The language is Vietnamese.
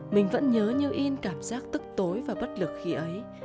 mình vẫn nhớ như in cảm giác tức tối và bất lực khi ấy